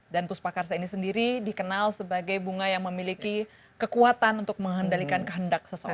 dan puspacarsa ini sendiri dikenal sebagai bunga yang memiliki kekuatan untuk mengendalikan kehendak seseorang